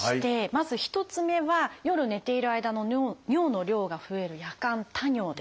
まず１つ目は夜寝ている間の尿の量が増える「夜間多尿」です。